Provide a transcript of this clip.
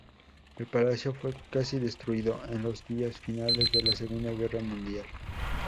El palacio fue casi destruido en los días finales de la Segunda Guerra Mundial.